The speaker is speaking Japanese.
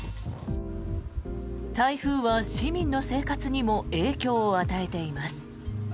台風は市民の生活にも影響を与えています。